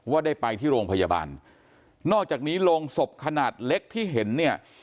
ได้ไปที่โรงพยาบาลนอกจากนี้โรงศพขนาดเล็กที่เห็นเนี่ย